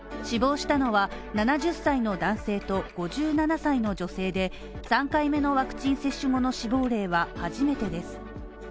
死亡したのは７０歳の男性と５７歳の女性で３回目のワクチン接種後の死亡例は初めてです。